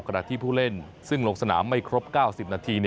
ขณะที่ผู้เล่นซึ่งลงสนามไม่ครบ๙๐นาที